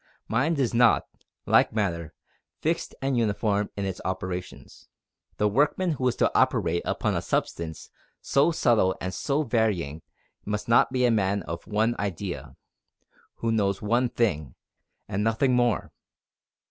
Mind is not, like matter, fixed and uniform in its operations. The workman who is to operate upon a substance so subtle and so varying must not be a man of one idea who knows one thing, and nothing more.